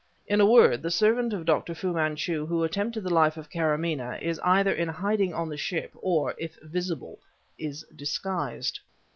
In a word, the servant of Dr. Fu Manchu who attempted the life of Karamaneh is either in hiding on the ship, or, if visible, is disguised."